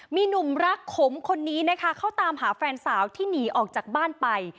มีหนุ่มรักขมคนนี้นะคะเขาตามหาแฟนสาวที่หนีออกจากบ้านไป